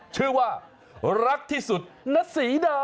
ชื่อว่ารักที่สุดณศรีดา